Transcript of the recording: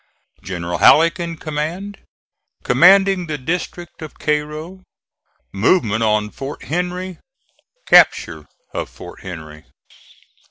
GENERAL HALLECK IN COMMAND COMMANDING THE DISTRICT OF CAIRO MOVEMENT ON FORT HENRY CAPTURE OF FORT HENRY.